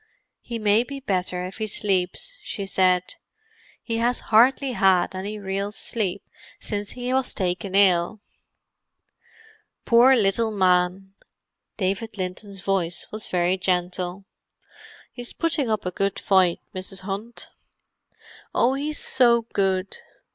"He may be better if he sleeps," she said. "He has hardly had any real sleep since he was taken ill." "Poor little man!" David Linton's voice was very gentle. "He's putting up a good fight, Mrs. Hunt." "Oh, he's so good!"